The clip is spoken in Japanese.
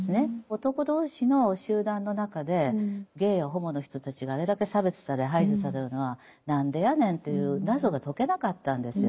男同士の集団の中でゲイやホモの人たちがあれだけ差別され排除されるのはなんでやねんという謎が解けなかったんですよ。